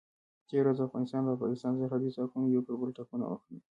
تېره ورځ د افغانستان او پاکستان سرحدي ځواکونو یو پر بل ټکونه وکړل.